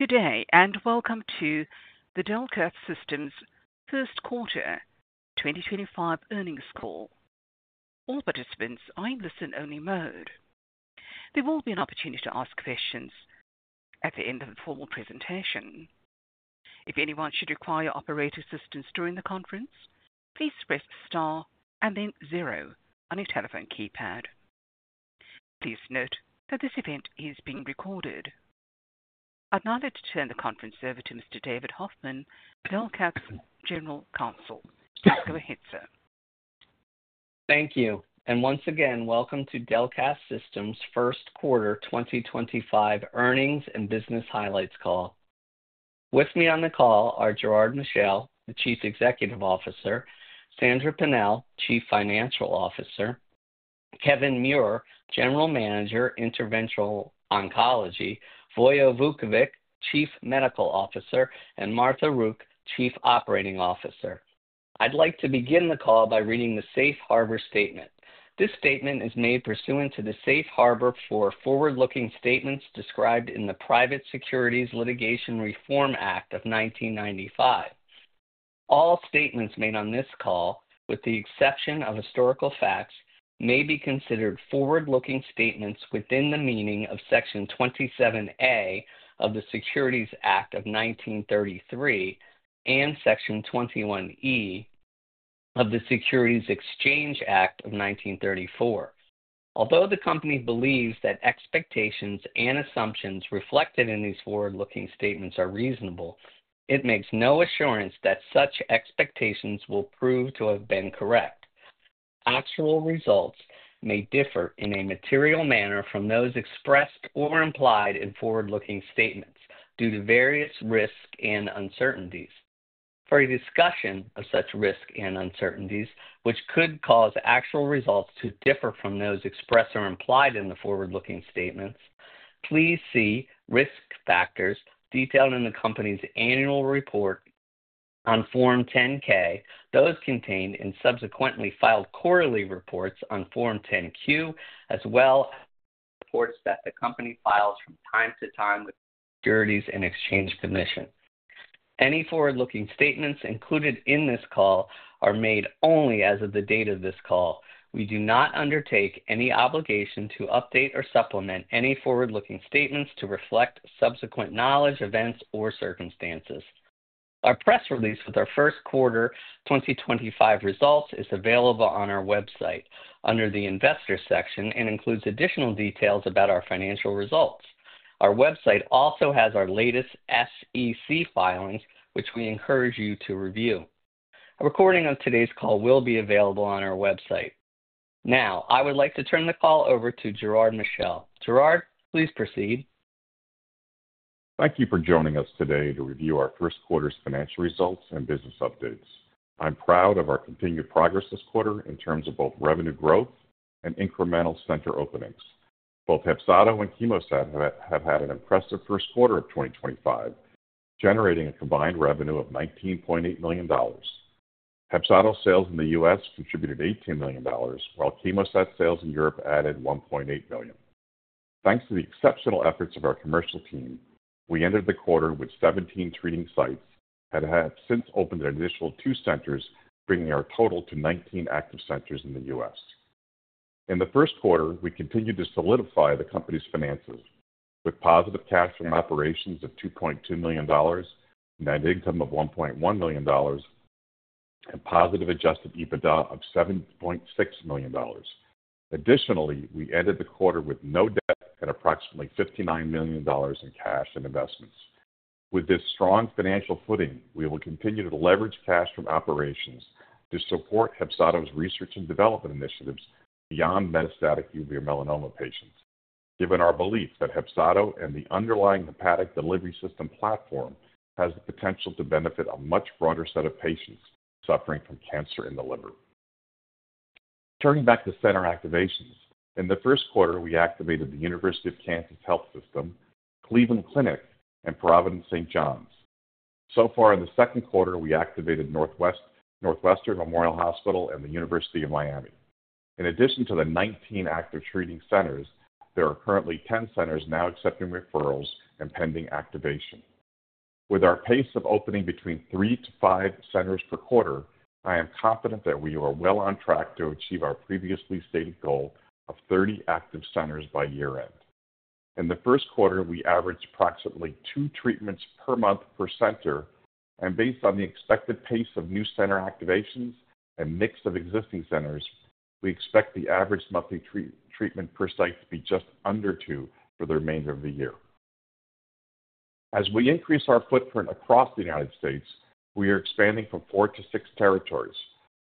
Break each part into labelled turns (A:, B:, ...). A: Good day, and welcome to the Delcath Systems first quarter 2025 earnings call. All participants are in listen-only mode. There will be an opportunity to ask questions at the end of the formal presentation. If anyone should require operator assistance during the conference, please press star and then zero on your telephone keypad. Please note that this event is being recorded. I'd now like to turn the conference over to Mr. David Hoffman, Delcath's General Counsel.
B: Thank you. Once again, welcome to Delcath Systems' first quarter 2025 earnings and business highlights call. With me on the call are Gerard Michel, Chief Executive Officer; Sandra Pennell, Chief Financial Officer; Kevin Muir, General Manager, Interventional Oncology; Vojislav Vukovic, Chief Medical Officer; and Martha Rook, Chief Operating Officer. I would like to begin the call by reading the Safe Harbor Statement. This statement is made pursuant to the Safe Harbor for Forward-Looking Statements described in the Private Securities Litigation Reform Act of 1995. All statements made on this call, with the exception of historical facts, may be considered forward-looking statements within the meaning of Section 27A of the Securities Act of 1933 and Section 21E of the Securities Exchange Act of 1934. Although the company believes that expectations and assumptions reflected in these forward-looking statements are reasonable, it makes no assurance that such expectations will prove to have been correct. Actual results may differ in a material manner from those expressed or implied in forward-looking statements due to various risks and uncertainties. For a discussion of such risks and uncertainties, which could cause actual results to differ from those expressed or implied in the forward-looking statements, please see risk factors detailed in the company's annual report on Form 10-K, those contained in subsequently filed quarterly reports on Form 10-Q, as well as reports that the company files from time to time with the Securities and Exchange Commission. Any forward-looking statements included in this call are made only as of the date of this call. We do not undertake any obligation to update or supplement any forward-looking statements to reflect subsequent knowledge, events, or circumstances. Our press release with our first quarter 2025 results is available on our website under the investor section and includes additional details about our financial results. Our website also has our latest SEC filings, which we encourage you to review. A recording of today's call will be available on our website. Now, I would like to turn the call over to Gerard Michel. Gerard, please proceed.
C: Thank you for joining us today to review our first quarter's financial results and business updates. I'm proud of our continued progress this quarter in terms of both revenue growth and incremental center openings. Both HEPZATO KIT and CHEMOSAT have had an impressive first quarter of 2025, generating a combined revenue of $19.8 million. HEPZATO KIT sales in the U.S. contributed $18 million, while CHEMOSAT sales in Europe added $1.8 million. Thanks to the exceptional efforts of our commercial team, we ended the quarter with 17 treating sites that have since opened an additional two centers, bringing our total to 19 active centers in the U.S. In the first quarter, we continued to solidify the company's finances, with positive cash from operations of $2.2 million, net income of $1.1 million, and positive adjusted EBITDA of $7.6 million. Additionally, we ended the quarter with no debt at approximately $59 million in cash and investments. With this strong financial footing, we will continue to leverage cash from operations to support HEPZATO's KIT research and development initiatives beyond metastatic uveal melanoma patients, given our belief that HEPZATO KIT and the underlying hepatic delivery system platform has the potential to benefit a much broader set of patients suffering from cancer in the liver. Turning back to center activations, in the first quarter, we activated the University of Kansas Health System, Cleveland Clinic, and Providence St. John's. In the second quarter, we activated Northwestern Memorial Hospital and the University of Miami. In addition to the 19 active treating centers, there are currently 10 centers now accepting referrals and pending activation. With our pace of opening between three to five centers per quarter, I am confident that we are well on track to achieve our previously stated goal of 30 active centers by year-end. In the first quarter, we averaged approximately two treatments per month per center, and based on the expected pace of new center activations and mix of existing centers, we expect the average monthly treatment per site to be just under two for the remainder of the year. As we increase our footprint across the United States, we are expanding from four to six territories,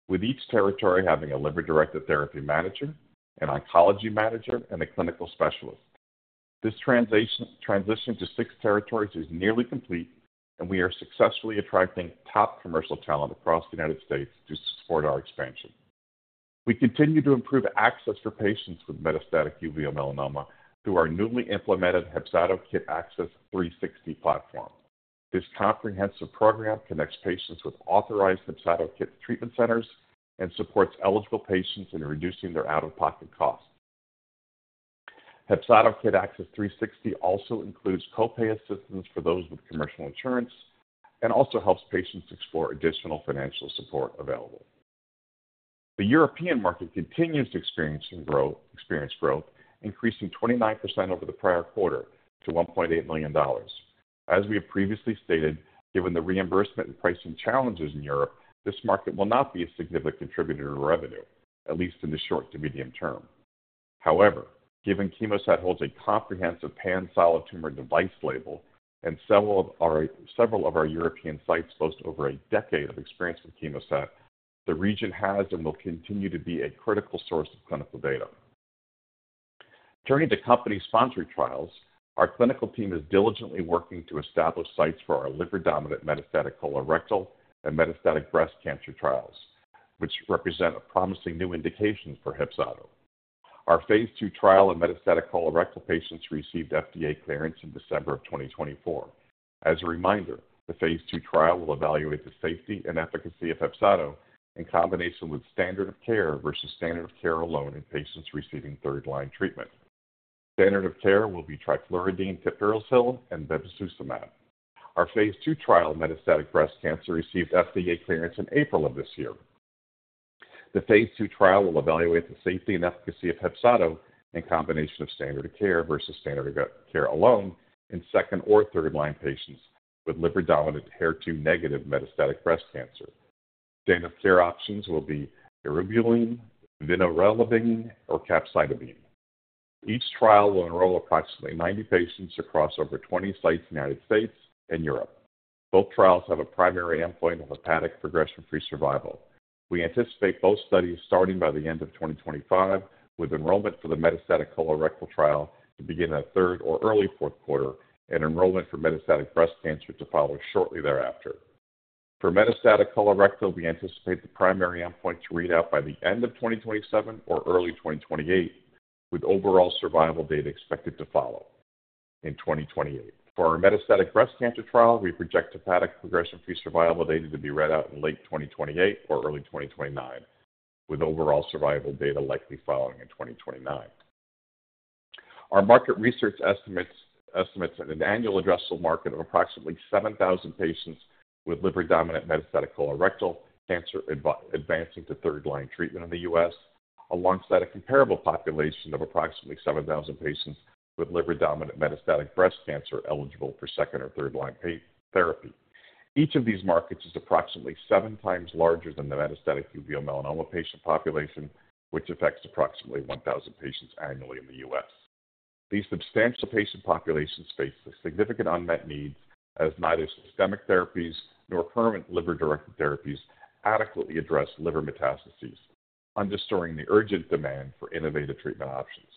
C: with each territory having a liver-directed therapy manager, an oncology manager, and a clinical specialist. This transition to six territories is nearly complete, and we are successfully attracting top commercial talent across the United States to support our expansion. We continue to improve access for patients with metastatic uveal melanoma through our newly implemented HEPZATO KIT Access 360 platform. This comprehensive program connects patients with authorized HEPZATO KIT treatment centers and supports eligible patients in reducing their out-of-pocket costs. HEPZATO KIT Access 360 also includes copay assistance for those with commercial insurance and also helps patients explore additional financial support available. The European market continues to experience growth, increasing 29% over the prior quarter to $1.8 million. As we have previously stated, given the reimbursement and pricing challenges in Europe, this market will not be a significant contributor to revenue, at least in the short to medium term. However, given CHEMOSAT holds a comprehensive pan-solid tumor device label and several of our European sites boast over a decade of experience with CHEMOSAT, the region has and will continue to be a critical source of clinical data. Turning to company-sponsored trials, our clinical team is diligently working to establish sites for our liver-dominant metastatic colorectal and metastatic breast cancer trials, which represent a promising new indication for HEPZATO KIT. Our phase two trial in metastatic colorectal patients received FDA clearance in December of 2024. As a reminder, the phase two trial will evaluate the safety and efficacy of HEPZATO KIT in combination with standard of care versus standard of care alone in patients receiving third-line treatment. Standard of care will be trifluridine-tipiracil and bevacizumab. Our phase two trial in metastatic breast cancer received FDA clearance in April of this year. The phase two trial will evaluate the safety and efficacy of HEPZATO KIT in combination with standard of care versus standard of care alone in second or third-line patients with liver-dominant HER2-negative metastatic breast cancer. Standard of care options will be Eribulin, Vinorelbine, or Capecitabine. Each trial will enroll approximately 90 patients across over 20 sites in the United States and Europe. Both trials have a primary endpoint of hepatic progression-free survival. We anticipate both studies starting by the end of 2025, with enrollment for the metastatic colorectal trial to begin in the third or early fourth quarter and enrollment for metastatic breast cancer to follow shortly thereafter. For metastatic colorectal, we anticipate the primary endpoint to read out by the end of 2027 or early 2028, with overall survival data expected to follow in 2028. For our metastatic breast cancer trial, we project hepatic progression-free survival data to be read out in late 2028 or early 2029, with overall survival data likely following in 2029. Our market research estimates an annual addressable market of approximately 7,000 patients with liver-dominant metastatic colorectal cancer advancing to third-line treatment in the U.S., alongside a comparable population of approximately 7,000 patients with liver-dominant metastatic breast cancer eligible for second or third-line therapy. Each of these markets is approximately seven times larger than the metastatic uveal melanoma patient population, which affects approximately 1,000 patients annually in the U.S. These substantial patient populations face significant unmet needs, as neither systemic therapies nor current liver-directed therapies adequately address liver metastases, underscoring the urgent demand for innovative treatment options.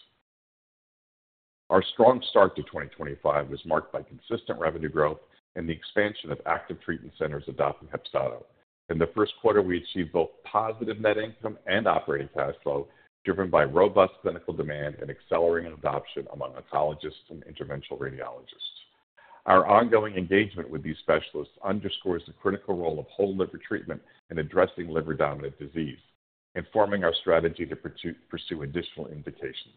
C: Our strong start to 2025 was marked by consistent revenue growth and the expansion of active treatment centers adopting HEPZATO KIT. In the first quarter, we achieved both positive net income and operating cash flow, driven by robust clinical demand and accelerating adoption among oncologists and interventional radiologists. Our ongoing engagement with these specialists underscores the critical role of whole liver treatment in addressing liver-dominant disease, informing our strategy to pursue additional indications.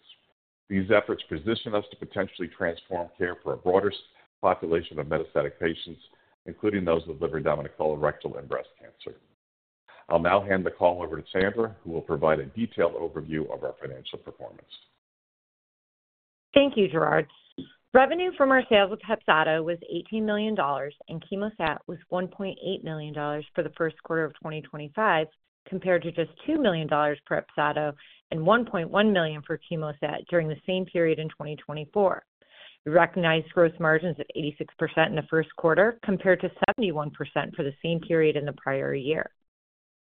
C: These efforts position us to potentially transform care for a broader population of metastatic patients, including those with liver-dominant colorectal and breast cancer. I'll now hand the call over to Sandra, who will provide a detailed overview of our financial performance.
D: Thank you, Gerard. Revenue from our sales with HEPZATO KIT was $18 million, and CHEMOSAT was $1.8 million for the first quarter of 2025, compared to just $2 million for HEPZATO KIT and $1.1 million for CHEMOSAT during the same period in 2024. We recognized gross margins of 86% in the first quarter, compared to 71% for the same period in the prior year.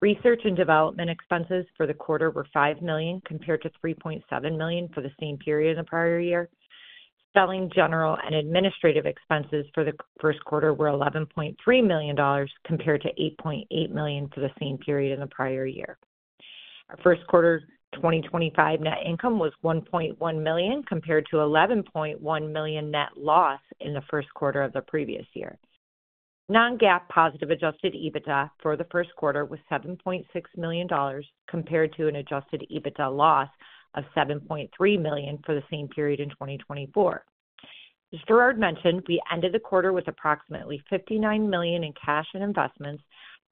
D: Research and development expenses for the quarter were $5 million, compared to $3.7 million for the same period in the prior year. Selling, general and administrative expenses for the first quarter were $11.3 million, compared to $8.8 million for the same period in the prior year. Our first quarter 2025 net income was $1.1 million, compared to $11.1 million net loss in the first quarter of the previous year. Non-GAAP positive adjusted EBITDA for the first quarter was $7.6 million, compared to an adjusted EBITDA loss of $7.3 million for the same period in 2024. As Gerard mentioned, we ended the quarter with approximately $59 million in cash and investments,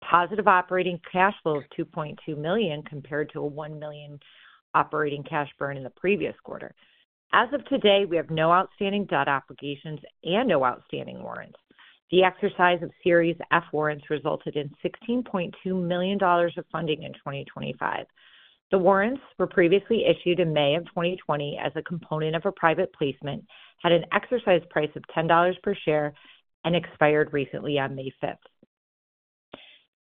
D: positive operating cash flow of $2.2 million, compared to a $1 million operating cash burn in the previous quarter. As of today, we have no outstanding debt obligations and no outstanding warrants. The exercise of Series F warrants resulted in $16.2 million of funding in 2025. The warrants, previously issued in May of 2020 as a component of a private placement, had an exercise price of $10 per share and expired recently on May 5th.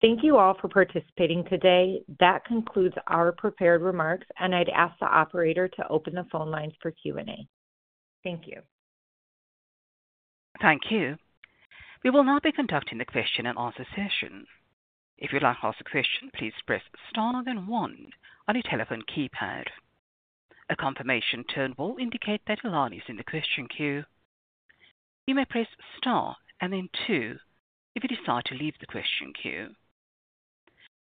D: Thank you all for participating today. That concludes our prepared remarks, and I'd ask the operator to open the phone lines for Q&A. Thank you.
A: Thank you. We will now be conducting the question and answer session. If you'd like to ask a question, please press star then one on your telephone keypad. A confirmation tone will indicate that you're already in the question queue. You may press star and then two if you decide to leave the question queue.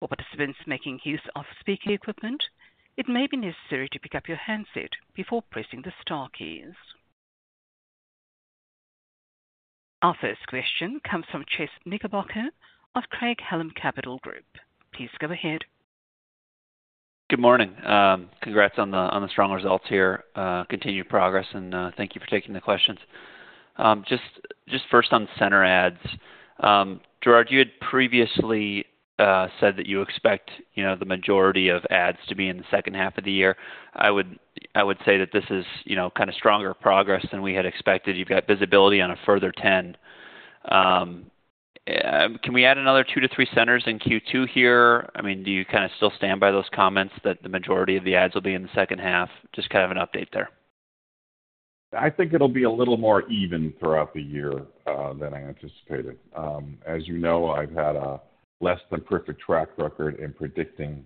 A: For participants making use of speaking equipment, it may be necessary to pick up your handset before pressing the star keys. Our first question comes from Chase Knickerbocker of Craig-Hallum Capital Group. Please go ahead.
E: Good morning. Congrats on the strong results here. Continued progress, and thank you for taking the questions. Just first on center adds, Gerard, you had previously said that you expect the majority of adds to be in the second half of the year. I would say that this is kind of stronger progress than we had expected. You've got visibility on a further 10. Can we add another two to three centers in Q2 here? I mean, do you kind of still stand by those comments that the majority of the adds will be in the second half? Just kind of an update there.
C: I think it'll be a little more even throughout the year than I anticipated. As you know, I've had a less-than-perfect track record in predicting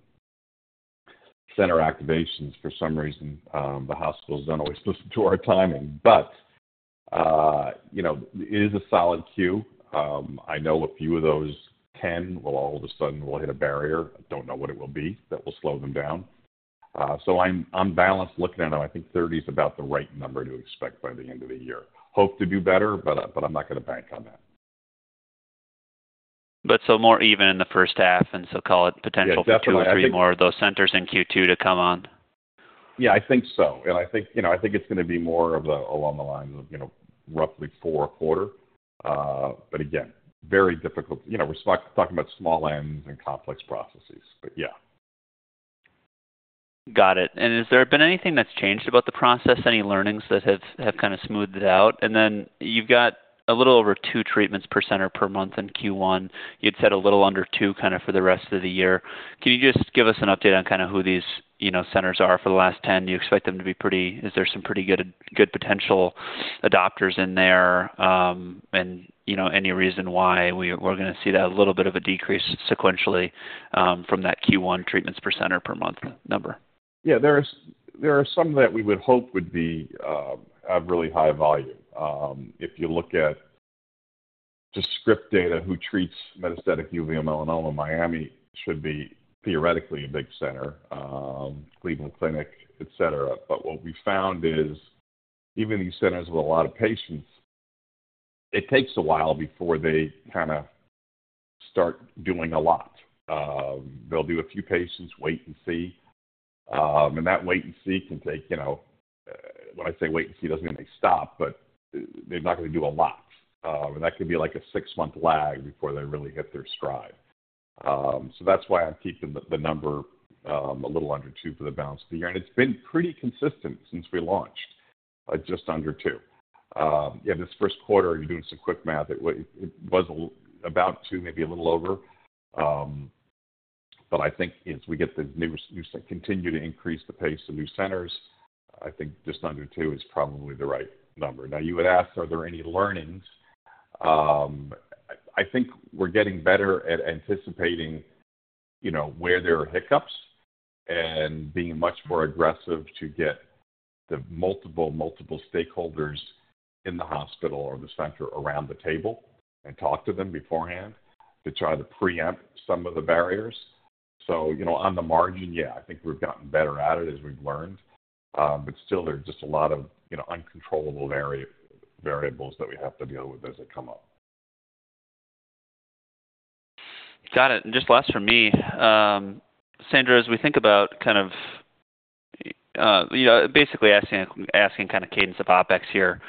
C: center activations. For some reason, the hospital is not always listening to our timing. It is a solid queue. I know a few of those 10 will all of a sudden hit a barrier. I do not know what it will be that will slow them down. I am balanced looking at them. I think 30 is about the right number to expect by the end of the year. Hope to do better, but I am not going to bank on that.
E: Still more even in the first half, and so call it potential for two or three more of those centers in Q2 to come on.
C: Yeah, I think so. I think it's going to be more of along the lines of roughly four a quarter. Again, very difficult. We're talking about small ends and complex processes, but yeah.
E: Got it. Has there been anything that's changed about the process, any learnings that have kind of smoothed it out? You have a little over two treatments per center per month in Q1. You said a little under two for the rest of the year. Can you just give us an update on who these centers are for the last 10? Do you expect them to be pretty— is there some pretty good potential adopters in there? Any reason why we are going to see that little bit of a decrease sequentially from that Q1 treatments per center per month number?
C: Yeah, there are some that we would hope would have really high volume. If you look at just script data, who treats metastatic uveal melanoma in Miami should be theoretically a big center: Cleveland Clinic, etc. What we found is even these centers with a lot of patients, it takes a while before they kind of start doing a lot. They'll do a few patients, wait and see. That wait and see can take—when I say wait and see, it doesn't mean they stop, but they're not going to do a lot. That can be like a six-month lag before they really hit their stride. That's why I'm keeping the number a little under two for the balance of the year. It's been pretty consistent since we launched, just under two. Yeah, this first quarter, you're doing some quick math. It was about two, maybe a little over. I think as we get the new—continue to increase the pace of new centers, I think just under two is probably the right number. You had asked, are there any learnings? I think we're getting better at anticipating where there are hiccups and being much more aggressive to get the multiple, multiple stakeholders in the hospital or the center around the table and talk to them beforehand to try to preempt some of the barriers. On the margin, yeah, I think we've gotten better at it as we've learned. Still, there are just a lot of uncontrollable variables that we have to deal with as they come up.
E: Got it. And just last for me, Sandra, as we think about kind of basically asking kind of cadence of OpEx here,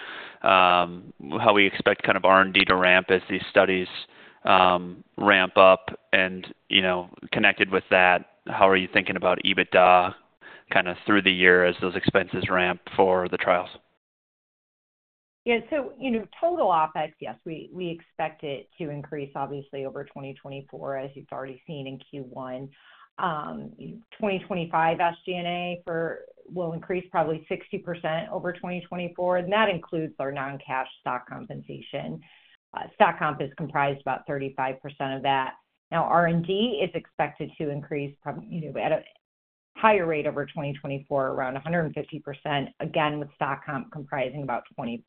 E: how we expect kind of R&D to ramp as these studies ramp up. And connected with that, how are you thinking about EBITDA kind of through the year as those expenses ramp for the trials?
D: Yeah. So total OpEx, yes, we expect it to increase, obviously, over 2024, as you've already seen in Q1. 2025 SG&A will increase probably 60% over 2024. And that includes our non-cash stock compensation. Stock comp is comprised of about 35% of that. Now, R&D is expected to increase at a higher rate over 2024, around 150%, again, with stock comp comprising about 20%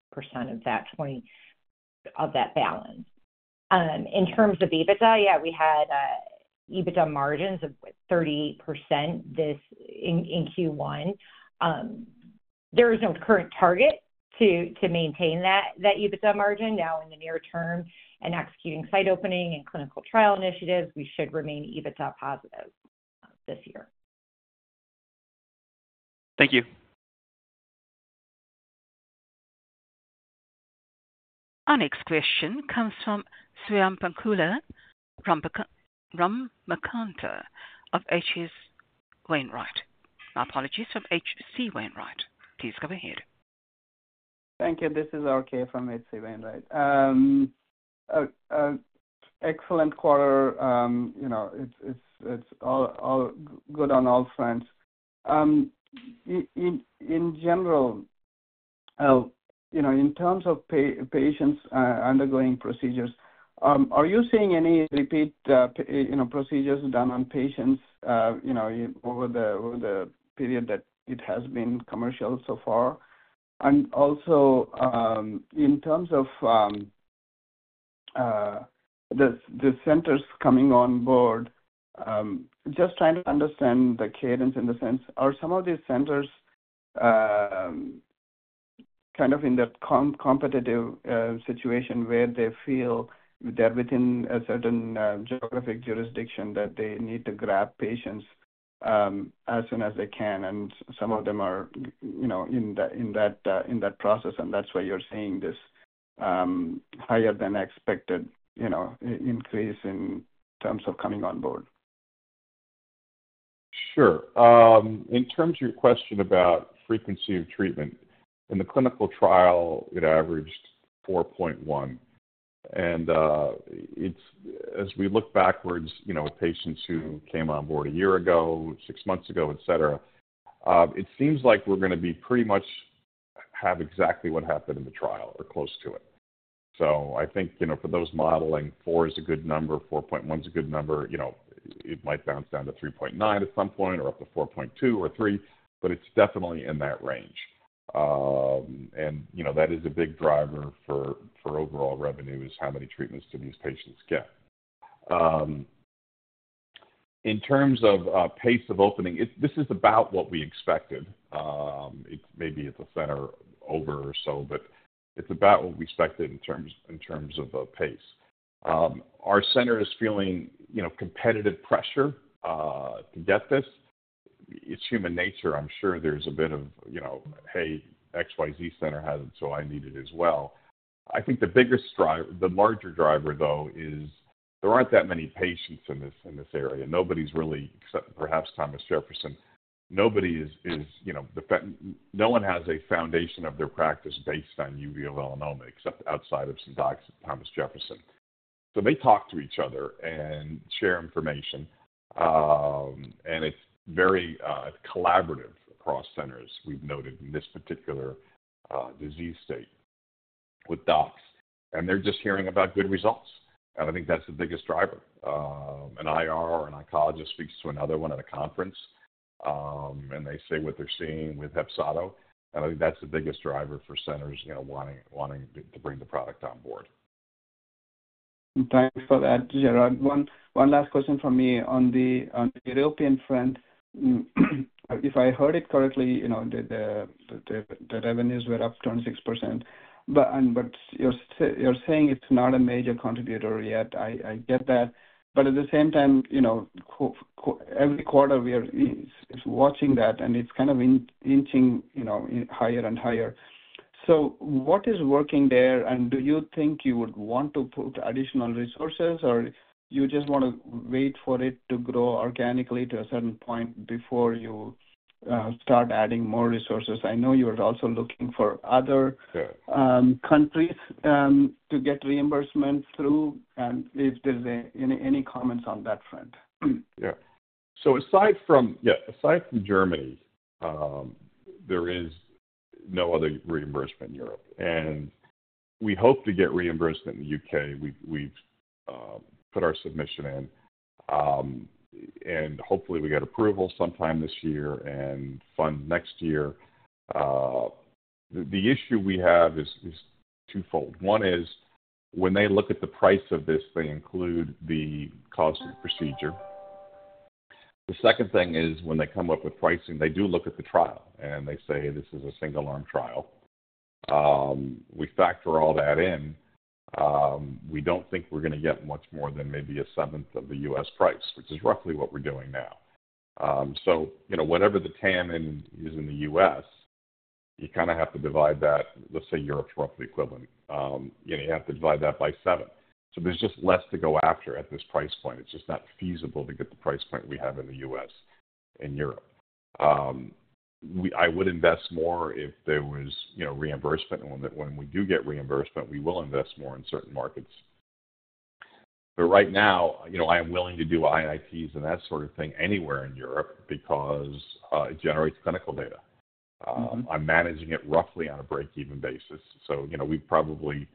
D: of that balance. In terms of EBITDA, yeah, we had EBITDA margins of 38% in Q1. There is no current target to maintain that EBITDA margin. Now, in the near term, and executing site opening and clinical trial initiatives, we should remain EBITDA positive this year.
E: Thank you.
A: Our next question comes from Sudan Loganathan from MacArthur of H.C. Wainwright. My apologies from H.C. Wainwright. Please go ahead.
F: Thank you. This is R.K. from H.C. Wainwright. Excellent quarter. It is all good on all fronts. In general, in terms of patients undergoing procedures, are you seeing any repeat procedures done on patients over the period that it has been commercial so far? Also, in terms of the centers coming on board, just trying to understand the cadence in the sense, are some of these centers kind of in that competitive situation where they feel they are within a certain geographic jurisdiction that they need to grab patients as soon as they can? Some of them are in that process, and that is why you are seeing this higher-than-expected increase in terms of coming on board?
C: Sure. In terms of your question about frequency of treatment, in the clinical trial, it averaged 4.1. As we look backwards with patients who came on board a year ago, six months ago, etc., it seems like we're going to be pretty much have exactly what happened in the trial or close to it. I think for those modeling, 4 is a good number. 4.1 is a good number. It might bounce down to 3.9 at some point or up to 4.2 or 4.3, but it's definitely in that range. That is a big driver for overall revenue, is how many treatments do these patients get? In terms of pace of opening, this is about what we expected. Maybe it's a center over or so, but it's about what we expected in terms of pace. Our center is feeling competitive pressure to get this. It's human nature. I'm sure there's a bit of, "Hey, XYZ center has it, so I need it as well." I think the biggest, the larger driver, though, is there aren't that many patients in this area. Nobody's really, except perhaps Thomas Jefferson. Nobody is—no one has a foundation of their practice based on uveal melanoma, except outside of some docs at Thomas Jefferson. They talk to each other and share information. It is very collaborative across centers, we've noted, in this particular disease state with docs. They're just hearing about good results. I think that's the biggest driver. An IR or an oncologist speaks to another one at a conference, and they say what they're seeing with HEPZATO KIT. I think that's the biggest driver for centers wanting to bring the product on board.
F: Thanks for that, Gerard. One last question from me on the European front. If I heard it correctly, the revenues were up 26%. You're saying it's not a major contributor yet. I get that. At the same time, every quarter, we are watching that, and it's kind of inching higher and higher. What is working there, and do you think you would want to put additional resources, or you just want to wait for it to grow organically to a certain point before you start adding more resources? I know you were also looking for other countries to get reimbursement through. If there's any comments on that front?
C: Yeah. Aside from Germany, there is no other reimbursement in Europe. We hope to get reimbursement in the U.K. We've put our submission in, and hopefully, we get approval sometime this year and fund next year. The issue we have is twofold. One is when they look at the price of this, they include the cost of the procedure. The second thing is when they come up with pricing, they do look at the trial, and they say, "This is a single-arm trial." We factor all that in. We don't think we're going to get much more than maybe a seventh of the U.S. price, which is roughly what we're doing now. Whatever the TAM is in the U.S., you kind of have to divide that. Let's say Europe is roughly equivalent. You have to divide that by seven. There is just less to go after at this price point. It is just not feasible to get the price point we have in the U.S. and Europe. I would invest more if there was reimbursement. When we do get reimbursement, we will invest more in certain markets. Right now, I am willing to do IITs and that sort of thing anywhere in Europe because it generates clinical data. I am managing it roughly on a break-even basis. We have probably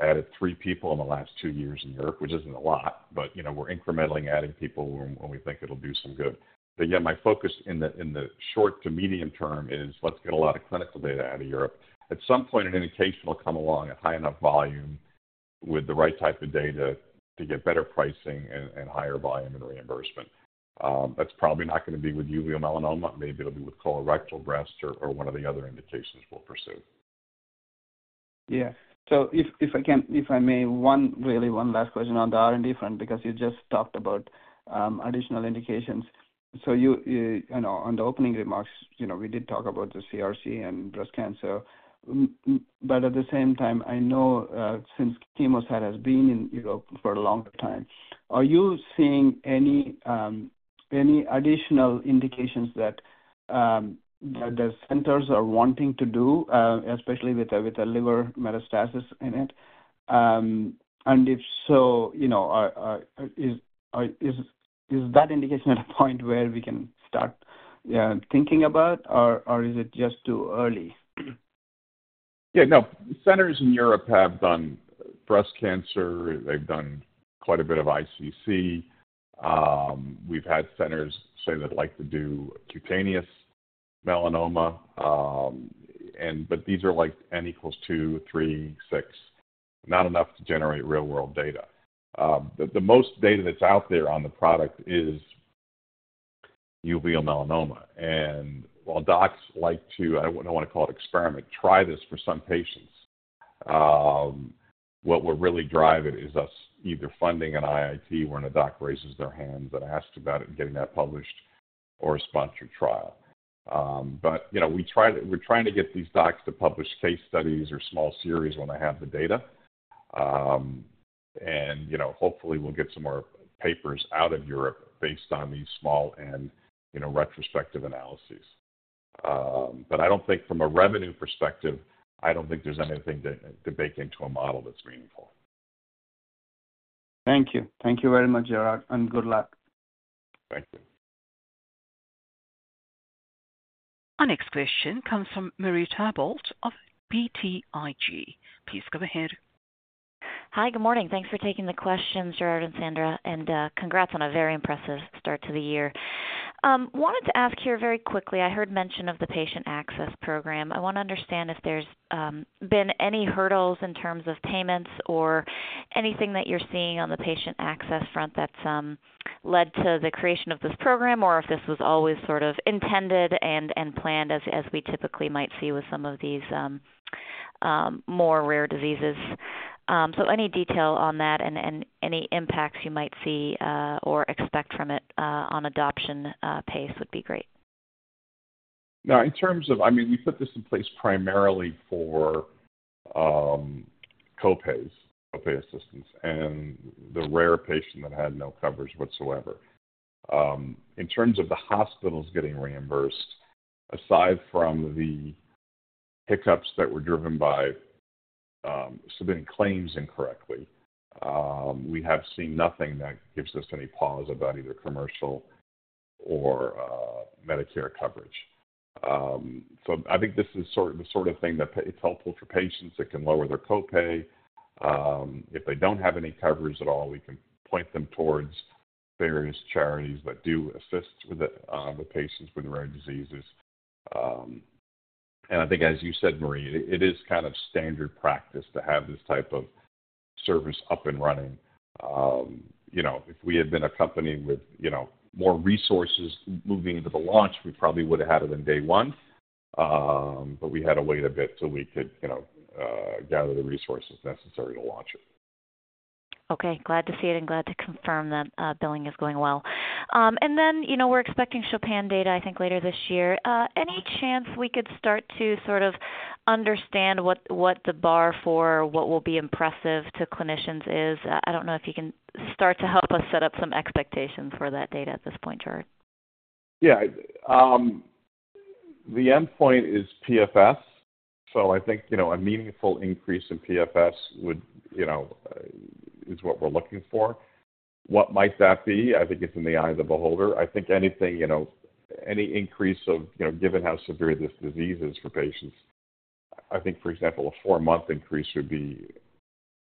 C: added three people in the last two years in Europe, which is not a lot, but we are incrementally adding people when we think it will do some good. My focus in the short to medium term is let us get a lot of clinical data out of Europe. At some point, an indication will come along at high enough volume with the right type of data to get better pricing and higher volume and reimbursement. That's probably not going to be with uveal melanoma. Maybe it'll be with colorectal, breast, or one of the other indications we'll pursue.
F: Yeah. If I may, really one last question on the R&D front because you just talked about additional indications. On the opening remarks, we did talk about the CRC and breast cancer. At the same time, I know since CHEMOSAT has been in Europe for a long time, are you seeing any additional indications that the centers are wanting to do, especially with a liver metastasis in it? If so, is that indication at a point where we can start thinking about, or is it just too early?
C: Yeah. No, centers in Europe have done breast cancer. They've done quite a bit of ICC. We've had centers say they'd like to do cutaneous melanoma. These are like N = 2, 3, 6, not enough to generate real-world data. The most data that's out there on the product is uveal melanoma. While docs like to—I don't want to call it experiment—try this for some patients. What will really drive it is us either funding an IIT where a doc raises their hands and asks about it and getting that published or a sponsored trial. We're trying to get these docs to publish case studies or small series when they have the data. Hopefully, we'll get some more papers out of Europe based on these small and retrospective analyses. I don't think from a revenue perspective, I don't think there's anything to bake into a model that's meaningful.
F: Thank you. Thank you very much, Gerard. And good luck.
C: Thank you.
A: Our next question comes from Marie Thibault of BTIG. Please go ahead.
G: Hi. Good morning. Thanks for taking the question, Gerard and Sandra. Congrats on a very impressive start to the year. Wanted to ask here very quickly, I heard mention of the Patient Access Program. I want to understand if there's been any hurdles in terms of payments or anything that you're seeing on the Patient Access Program front that's led to the creation of this program, or if this was always sort of intended and planned as we typically might see with some of these more rare diseases. Any detail on that and any impacts you might see or expect from it on adoption pace would be great.
C: Now, in terms of—I mean, we put this in place primarily for copays, copay assistance, and the rare patient that had no coverage whatsoever. In terms of the hospitals getting reimbursed, aside from the hiccups that were driven by submitting claims incorrectly, we have seen nothing that gives us any pause about either commercial or Medicare coverage. I think this is the sort of thing that it's helpful for patients that can lower their copay. If they do not have any coverage at all, we can point them towards various charities that do assist with patients with rare diseases. I think, as you said, Marie, it is kind of standard practice to have this type of service up and running. If we had been a company with more resources moving into the launch, we probably would have had it in day one. We had to wait a bit till we could gather the resources necessary to launch it.
G: Okay. Glad to see it and glad to confirm that billing is going well. We're expecting CHOPIN data, I think, later this year. Any chance we could start to sort of understand what the bar for what will be impressive to clinicians is? I don't know if you can start to help us set up some expectations for that data at this point, Gerard.
C: Yeah. The endpoint is PFS. So I think a meaningful increase in PFS is what we're looking for. What might that be? I think it's in the eye of the beholder. I think anything, any increase of, given how severe this disease is for patients, I think, for example, a four-month increase would be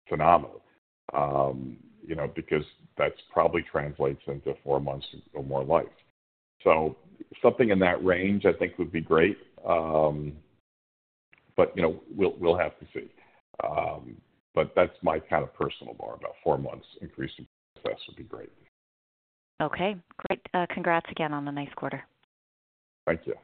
C: phenomenal because that probably translates into four months or more life. So something in that range, I think, would be great. We'll have to see. That's my kind of personal bar. About four months increase in PFS would be great.
G: Okay. Great. Congrats again on the nice quarter.
C: Thank you.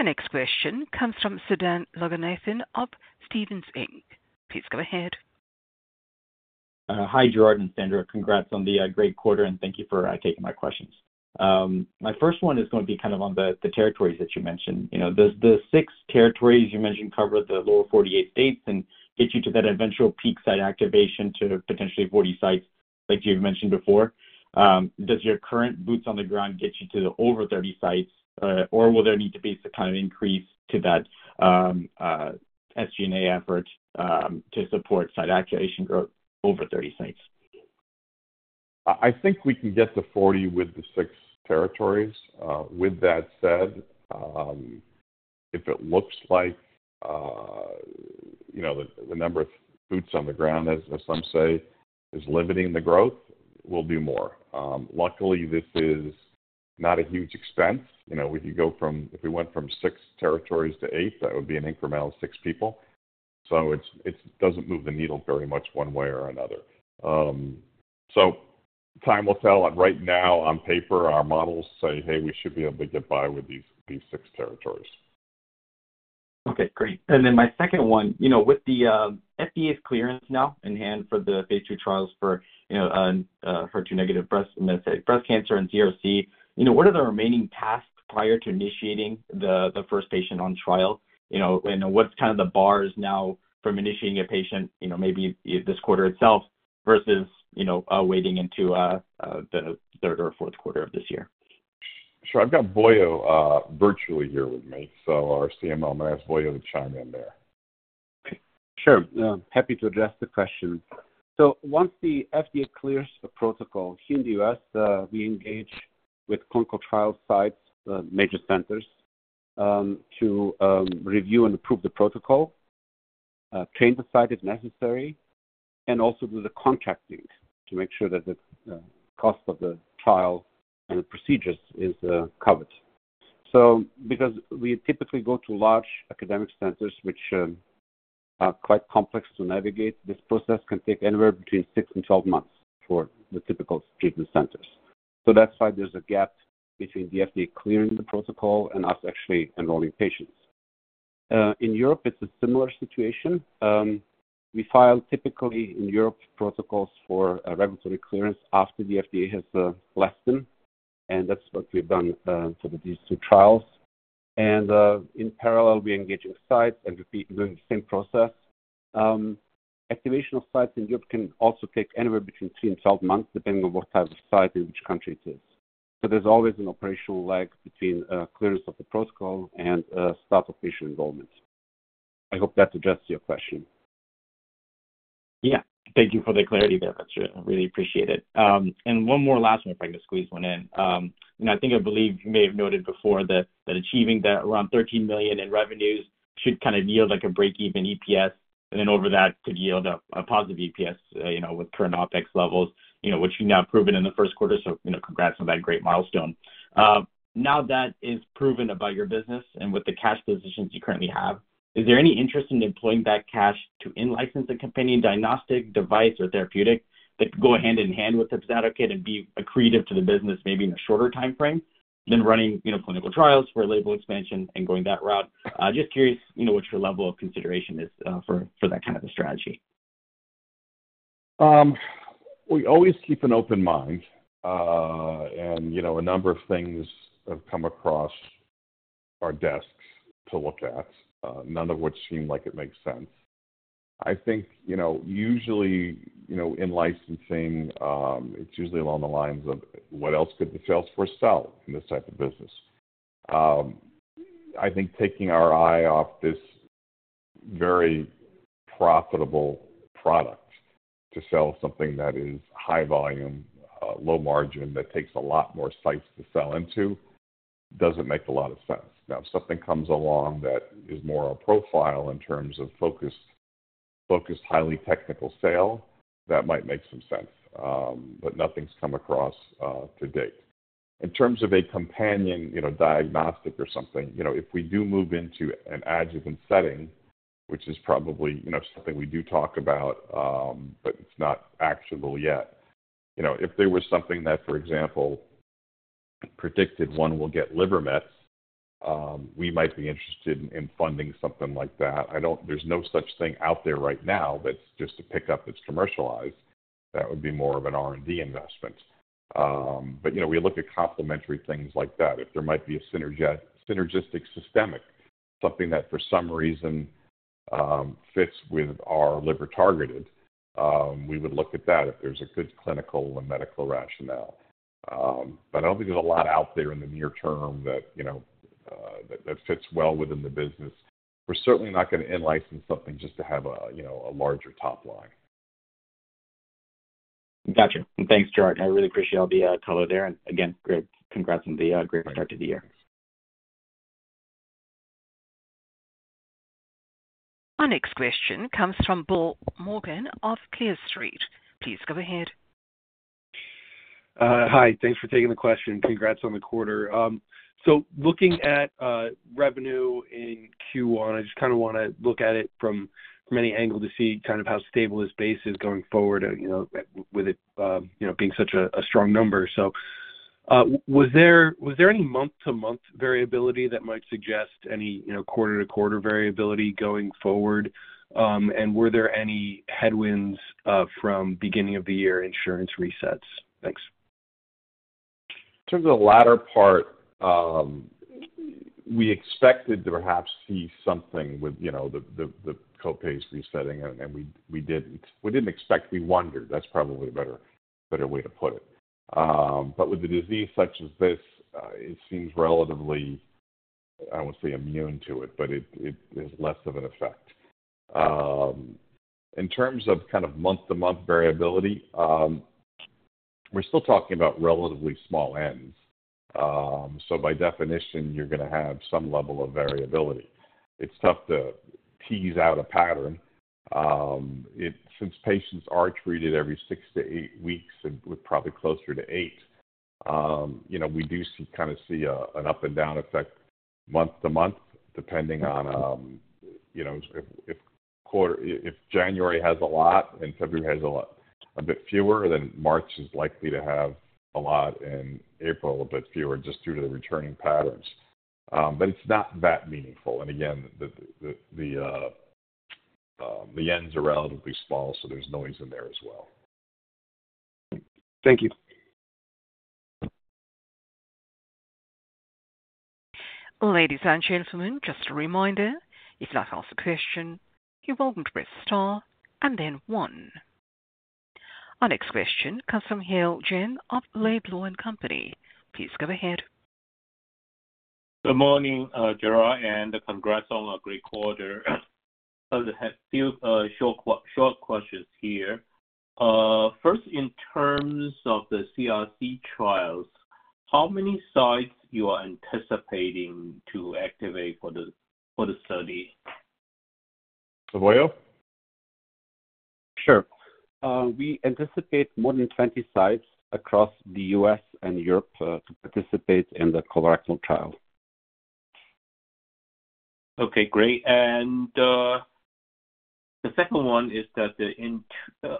A: Our next question comes from Sudan Loganathan of Stifel Inc. Please go ahead.
H: Hi, Gerard and Sandra. Congrats on the great quarter, and thank you for taking my questions. My first one is going to be kind of on the territories that you mentioned. Does the six territories you mentioned cover the lower 48 states and get you to that eventual peak site activation to potentially 40 sites, like you've mentioned before? Does your current boots-on-the-ground get you to the over 30 sites, or will there need to be some kind of increase to that SG&A effort to support site activation growth over 30 sites?
C: I think we can get to 40 with the six territories. With that said, if it looks like the number of boots-on-the-ground, as some say, is limiting the growth, we'll do more. Luckily, this is not a huge expense. If you go from—if we went from six territories to eight, that would be an incremental six people. It does not move the needle very much one way or another. Time will tell. Right now, on paper, our models say, "Hey, we should be able to get by with these six territories.
H: Okay. Great. My second one, with the FDA's clearance now in hand for the phase 2 trials for HER2-negative breast cancer and CRC, what are the remaining tasks prior to initiating the first patient on trial? What's kind of the bars now from initiating a patient, maybe this quarter itself, versus waiting into the third or fourth quarter of this year?
C: Sure. I've got Boyo virtually here with me. Our CMO, Maya, is willing to chime in there. Sure. Happy to address the question. Once the FDA clears the protocol here in the U.S., we engage with clinical trial sites, major centers, to review and approve the protocol, train the site if necessary, and also do the contracting to make sure that the cost of the trial and the procedures is covered. Because we typically go to large academic centers, which are quite complex to navigate, this process can take anywhere between six to 12 months for the typical treatment centers. That is why there is a gap between the FDA clearing the protocol and us actually enrolling patients. In Europe, it is a similar situation. We file typically in Europe protocols for regulatory clearance after the FDA has lessened. That is what we have done for these two trials. In parallel, we engage in sites and repeat the same process. Activation of sites in Europe can also take anywhere between three and 12 months, depending on what type of site and which country it is. There is always an operational lag between clearance of the protocol and start of patient enrollment. I hope that addressed your question.
H: Yeah. Thank you for the clarity there. I really appreciate it. One more last one, if I can squeeze one in. I think I believe you may have noted before that achieving that around $13 million in revenues should kind of yield a break-even EPS. Over that, could yield a positive EPS with current OpEx levels, which you've now proven in the first quarter. Congrats on that great milestone. Now that is proven about your business and with the cash positions you currently have, is there any interest in deploying that cash to in-license a company, diagnostic, device, or therapeutic that could go hand in hand with the HEPZATO KIT and be accretive to the business, maybe in a shorter time frame than running clinical trials for a label expansion and going that route? Just curious what your level of consideration is for that kind of a strategy.
C: We always keep an open mind. A number of things have come across our desks to look at, none of which seem like it makes sense. I think usually in licensing, it's usually along the lines of, "What else could the salesforce sell in this type of business?" I think taking our eye off this very profitable product to sell something that is high volume, low margin, that takes a lot more sites to sell into does not make a lot of sense. Now, if something comes along that is more our profile in terms of focused highly technical sale, that might make some sense. Nothing's come across to date. In terms of a companion diagnostic or something, if we do move into an adjuvant setting, which is probably something we do talk about, but it's not actual yet, if there was something that, for example, predicted one will get liver mets, we might be interested in funding something like that. There's no such thing out there right now that's just a pickup that's commercialized. That would be more of an R&D investment. We look at complementary things like that. If there might be a synergistic systemic, something that for some reason fits with our liver targeted, we would look at that if there's a good clinical and medical rationale. I don't think there's a lot out there in the near term that fits well within the business. We're certainly not going to in-license something just to have a larger top line.
H: Gotcha. Thanks, Gerard. I really appreciate all the color there. Again, great congrats and a great start to the year.
A: Our next question comes from Bill Morgan of Clear Street. Please go ahead.
I: Hi. Thanks for taking the question. Congrats on the quarter. Looking at revenue in Q1, I just kind of want to look at it from any angle to see kind of how stable this base is going forward with it being such a strong number. Was there any month-to-month variability that might suggest any quarter-to-quarter variability going forward? Were there any headwinds from beginning of the year insurance resets? Thanks.
C: In terms of the latter part, we expected to perhaps see something with the copays resetting, and we did not expect. We wondered. That is probably a better way to put it. With a disease such as this, it seems relatively, I will not say immune to it, but it has less of an effect. In terms of kind of month-to-month variability, we are still talking about relatively small ends. By definition, you are going to have some level of variability. It is tough to tease out a pattern. Since patients are treated every six to eight weeks, and we are probably closer to eight, we do kind of see an up and down effect month-to-month, depending on if January has a lot and February has a bit fewer, then March is likely to have a lot and April a bit fewer just due to the returning patterns. It is not that meaningful. Again, the ends are relatively small, so there's noise in there as well.
I: Thank you.
A: Ladies and gentlemen, just a reminder, if you've asked a question, you're welcome to press star and then one. Our next question comes from Yale Jen of Laidlaw and Company. Please go ahead.
J: Good morning, Gerard, and congrats on a great quarter. I have a few short questions here. First, in terms of the CRC trials, how many sites you are anticipating to activate for the study?
C: So, Boyo? Sure. We anticipate more than 20 sites across the U.S. and Europe to participate in the colorectal trial. Okay. Great. The second one is that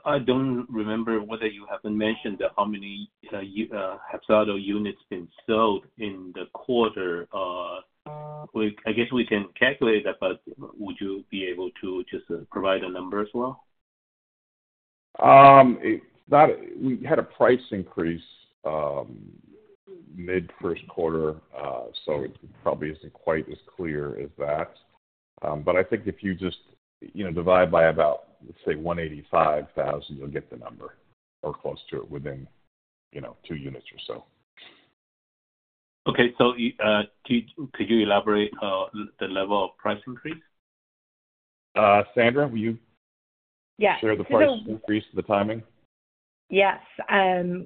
C: I do not remember whether you have mentioned how many HEPZATO KIT units have been sold in the quarter. I guess we can calculate that, but would you be able to just provide a number as well? We had a price increase mid-first quarter, so it probably isn't quite as clear as that. But I think if you just divide by about, say, $185,000, you'll get the number or close to it within two units or so.
J: Okay. Could you elaborate the level of price increase?
C: Sandra, will you share the price increase, the timing?
D: Yes.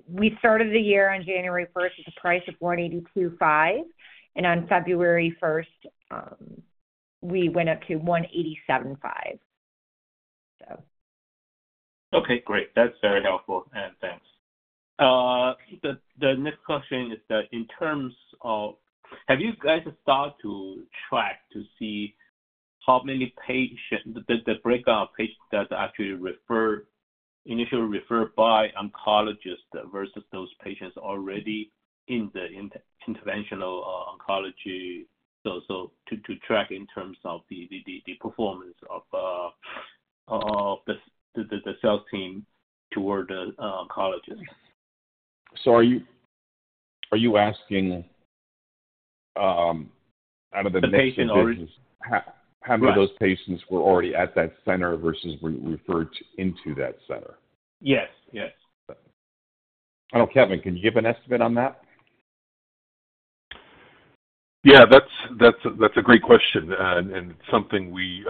D: We started the year on January 1st at a price of $182.5, and on February 1st, we went up to $187.5, so.
J: Okay. Great. That's very helpful. Thanks. The next question is that in terms of have you guys started to track to see how many patients, the breakdown of patients that actually initially referred by oncologists versus those patients already in the interventional oncology? To track in terms of the performance of the sales team toward the oncologist.
C: Are you asking out of the nation?
J: The patients already.
C: How many of those patients were already at that center versus referred into that center?
F: Yes. Yes.
C: I know, Kevin, can you give an estimate on that?
K: Yeah. That's a great question. It's something we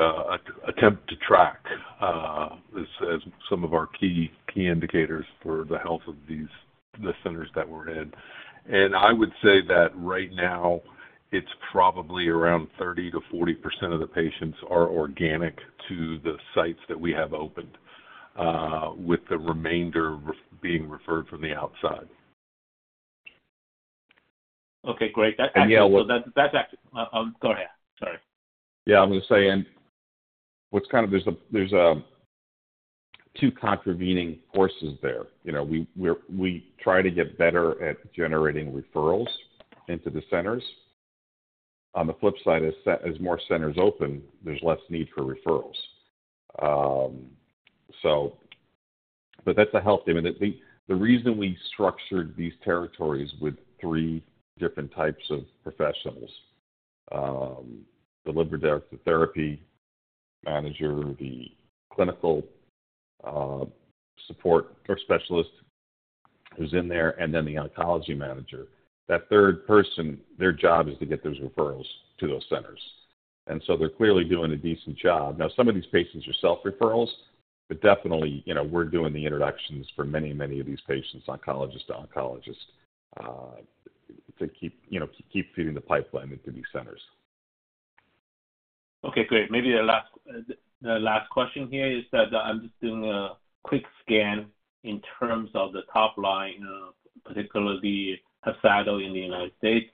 K: attempt to track as some of our key indicators for the health of the centers that we're in. I would say that right now, it's probably around 30% to 40% of the patients are organic to the sites that we have opened, with the remainder being referred from the outside.
J: Okay. Great. So let's actually go ahead. Sorry.
C: Yeah. I was going to say, and there's two contravening forces there. We try to get better at generating referrals into the centers. On the flip side, as more centers open, there's less need for referrals. That's a health thing. The reason we structured these territories with three different types of professionals: the liver therapy manager, the clinical support or specialist who's in there, and then the oncology manager. That third person, their job is to get those referrals to those centers. They're clearly doing a decent job. Now, some of these patients are self-referrals, but definitely, we're doing the introductions for many, many of these patients, oncologist to oncologist, to keep feeding the pipeline into these centers.
J: Okay. Great. Maybe the last question here is that I'm just doing a quick scan in terms of the top line, particularly HEPZATO KIT in the United States.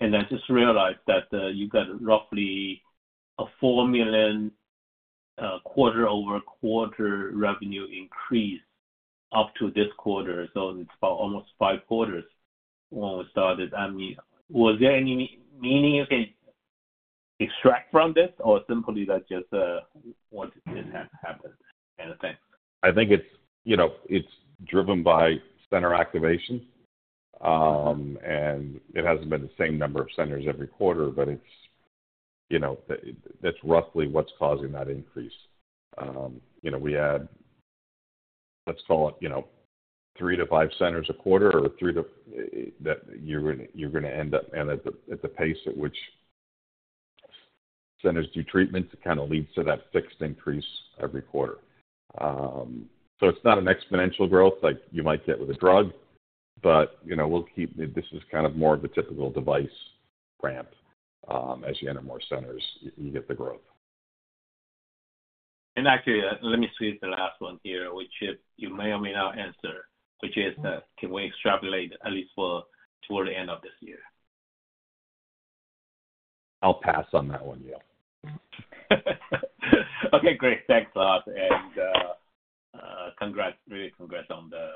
J: I just realized that you got roughly a $4 million quarter-over-quarter revenue increase up to this quarter. It is about almost five quarters when we started. I mean, was there any meaning you can extract from this, or simply that just what happened? Thanks.
C: I think it's driven by center activation. It hasn't been the same number of centers every quarter, but that's roughly what's causing that increase. We add, let's call it, three to five centers a quarter or three to that you're going to end up at the pace at which centers do treatment kind of leads to that fixed increase every quarter. It's not an exponential growth like you might get with a drug, but we'll keep this is kind of more of the typical device ramp. As you enter more centers, you get the growth.
J: Let me see the last one here, which you may or may not answer, which is, can we extrapolate at least toward the end of this year?
C: I'll pass on that one, yeah.
J: Okay. Great. Thanks a lot. And really congrats on the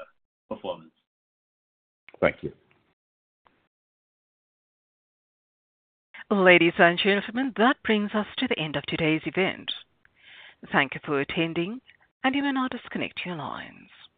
J: performance.
C: Thank you.
A: Ladies and gentlemen, that brings us to the end of today's event. Thank you for attending, and you may now disconnect your lines.